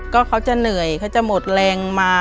ก็เขาจะเหนื่อยเขาจะหมดแรงมา